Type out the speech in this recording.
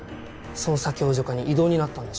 捜査共助課に異動になったんでしょ？